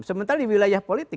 sementara di wilayah politik